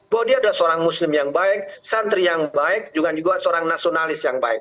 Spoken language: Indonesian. bahwa dia adalah seorang muslim yang baik santri yang baik juga seorang nasionalis yang baik